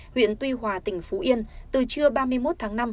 huyện tuy hòa tỉnh phú yên từ trưa ba mươi một tháng năm